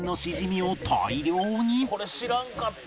「これ知らんかった」